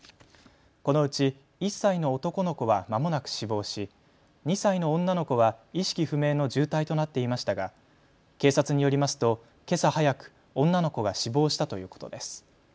このうち１歳の男の子はまもなく死亡し、２歳の女の子は意識不明の重体となっていましたが警察によりますとけさ早く、女の子が死亡したということです。